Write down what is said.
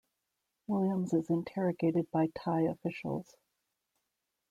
Williams is interrogated by Thai officials.